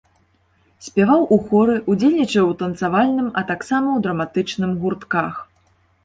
Спяваў у хоры, удзельнічаў у танцавальным, а таксама ў драматычным гуртках.